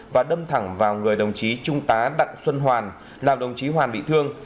và đâm thẳng vào người đồng chí trung tá đặng xuân hoàn làm đồng chí hoàn bị thương